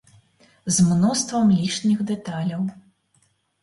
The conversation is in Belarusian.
З мноствам лішніх дэталяў.